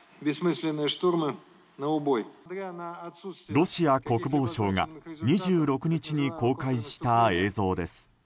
ロシア国防省が２６日に公開した映像です。